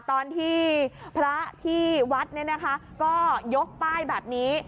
ตอนที่พระที่วัดเนี่ยนะคะก็ยกป้ายแบบนี้